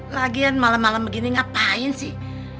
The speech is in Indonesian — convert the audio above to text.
lagian malam malam begini ngapain sih